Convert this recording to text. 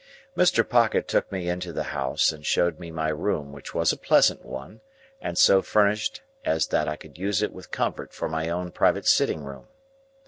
Mr. Pocket took me into the house and showed me my room: which was a pleasant one, and so furnished as that I could use it with comfort for my own private sitting room.